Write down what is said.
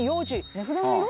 値札の色？